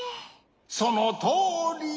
そのとおり！